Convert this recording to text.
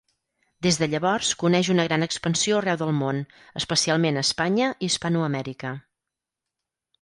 Des de llavors coneix una gran expansió arreu del món, especialment a Espanya i Hispanoamèrica.